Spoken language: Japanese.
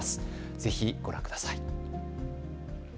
ぜひご覧ください。